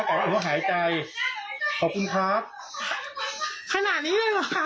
เขาไม่ให้เปิดอะค่ะ